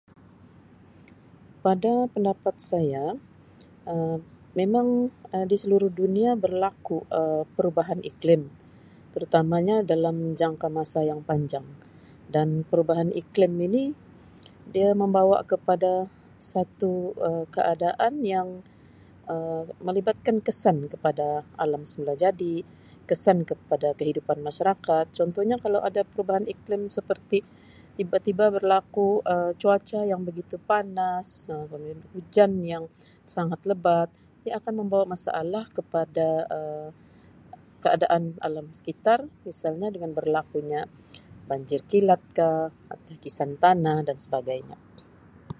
Pada pendapat saya Um memang Um di seluruh dunia berlaku Um perubahan iklim terutamanya dalam jangka masa yang panjang dan perubahan iklim ini dia membawa kepada satu Um keadaan yang Um melibatkan kesan kepada alam semula jadi, kesan kepada kehidupan masyarakat. Contohnya kalau ada perubahan iklim seperti tiba-tiba berlaku Um cuaca yang begitu panas Um [unintelligible] hujan yang sangat lebat ia akan membawa masalah kepada Um keadaan alam sekitar misalnya dengan berlakunya banjir kilat ka, hakisan tanah dan sebagainya.